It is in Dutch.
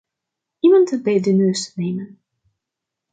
Iemand bij de neus nemen.